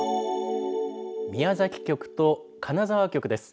宮崎局と金沢局です。